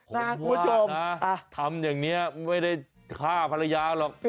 ผมว่ากน่ะทำแบบนี้ไม่ได้ฆ่าภรรยาหรอก